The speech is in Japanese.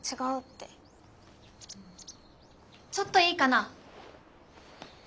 ちょっといいかな。